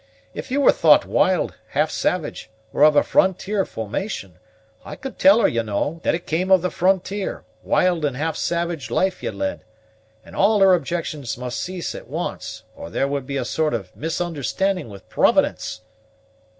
If you were thought wild, half savage, or of a frontier formation, I could tell her, ye know, that it came of the frontier, wild and half savage life ye'd led; and all her objections must cease at once, or there would be a sort of a misunderstanding with Providence."